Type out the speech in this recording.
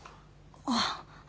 あっ。